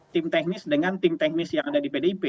tim teknis dengan tim teknis yang ada di pdip